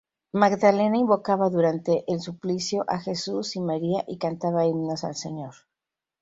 Magdalena invocaba durante el suplicio a Jesús y María y cantaba himnos al Señor.